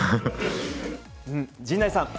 陣内さん。